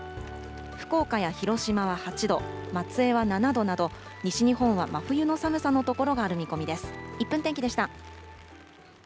福岡や広島は８度、松江は７度など、西日本は真冬の寒さの所がある見込みです。